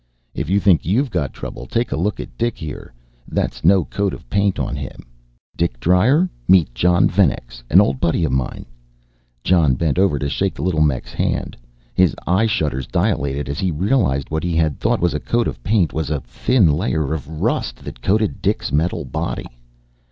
"If you think you've got trouble take a look at Dik here, that's no coat of paint on him. Dik Dryer, meet Jon Venex an old buddy of mine." Jon bent over to shake the little mech's hand. His eye shutters dilated as he realized what he had thought was a coat of paint was a thin layer of rust that coated Dik's metal body.